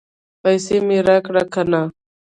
پیسې مې راکړې که نه؟